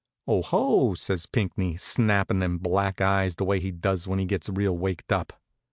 "Oh ho!" says Pinckney, snappin' them black eyes the way he does when he gets real waked up.